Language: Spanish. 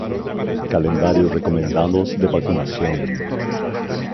Calendarios recomendados de vacunación